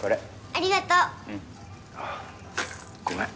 ありがとう。ごめん。